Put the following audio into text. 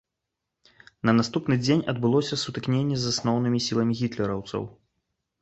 На наступны дзень адбылося сутыкненне з асноўнымі сіламі гітлераўцаў.